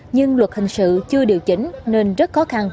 nhưng luật hình sự chưa điều chỉnh nên rất khó khăn